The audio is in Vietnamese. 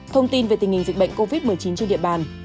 thông tin về tình hình dịch bệnh covid một mươi chín trên địa bàn